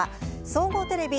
総合テレビ